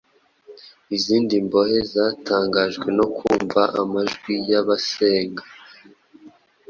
Izindi mbohe zatangajwe no kumva amajwi y’abasenga